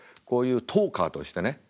こういうトーカーとしてね